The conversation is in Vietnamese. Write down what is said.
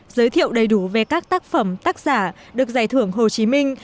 giới thiệu đầy đủ về các tác phẩm tác giả được giải thưởng hồ chí minh